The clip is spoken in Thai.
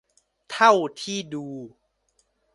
เท่าที่ดู